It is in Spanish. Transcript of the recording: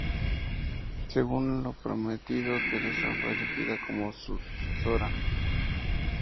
Según lo prometido, Teresa fue elegida como su sucesora.